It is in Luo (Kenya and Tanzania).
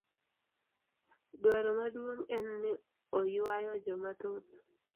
Dwaro maduong' en ni oywayo jo mathoth.